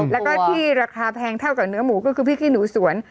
แล้วก็ที่ราคาแพงเท่ากับเนื้อหมูก็คือพริกขี้หนูสวน